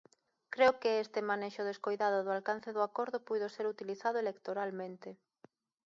Creo que este manexo descoidado do alcance do acordo puido ser utilizado electoralmente.